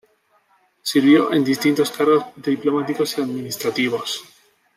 Sirvió en distintos cargos diplomáticos y administrativos.